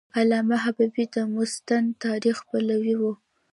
علامه حبیبي د مستند تاریخ پلوی و.